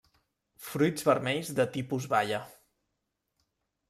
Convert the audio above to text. Fruits vermells de tipus baia.